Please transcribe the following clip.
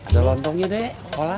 jalan dong ide hola